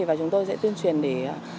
và chúng tôi sẽ tuyên truyền để